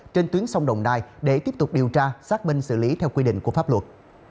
trên tuyến sông đồng nai để tiếp tục điều tra xác minh xử lý theo quy định của pháp luật